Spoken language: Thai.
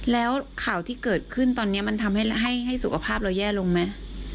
แล้วข่าวที่เกิดขึ้นตอนนี้มันทำให้สุขภาพเราแย่ลงไหม